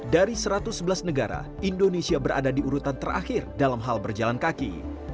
dari satu ratus sebelas negara indonesia berada di urutan terakhir dalam hal berjalan kaki